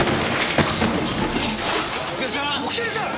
お客さん？